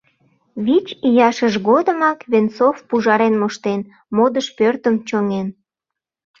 Вич ияшыж годымак Венцов пужарен моштен, модыш пӧртым чоҥен.